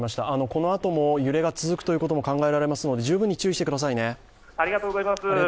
このあとも揺れが続くということも考えられますので、十分に注意してくださいね。